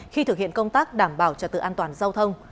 khi thực hiện công tác đảm bảo trật tự an toàn giao thông